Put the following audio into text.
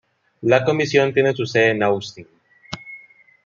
La comisión tiene su sede en Austin.